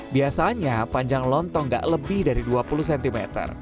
biasanya panjang lontong gak lebih dari dua puluh cm